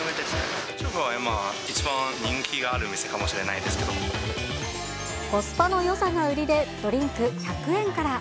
中国では一番人気がある店かコスパのよさが売りで、ドリンク１００円から。